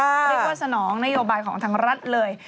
เรียกว่าสนองนโยบายของทางรัฐเลย